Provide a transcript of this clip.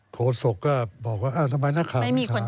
โศกก็บอกว่าทำไมนักข่าวไม่ถาม